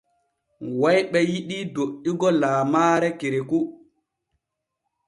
Wayɓe yiɗii doƴƴugo laamaare kereku.